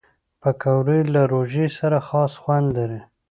پکورې له روژې سره خاص خوند لري